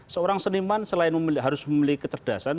seorang seniman selain harus memiliki kecerdasan